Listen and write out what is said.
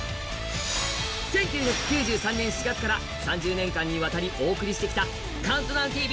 １９９３年４月から３０年間にわたりお送りしてきた「ＣＤＴＶ」